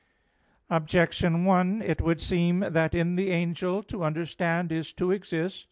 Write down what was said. Objection 1: It would seem that in the angel to understand is to exist.